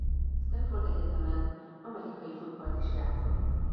A Stanford Egyetemen amerikai futballt is játszott.